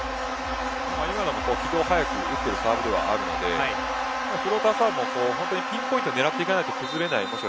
今も非常に早く打っているサーブではあるのでフローターサーブ本当にピンポイントに打っていかないと崩れない。